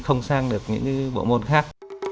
không sang được những bộ môn khác